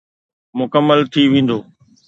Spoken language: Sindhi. مڪمل ٿي ويندو.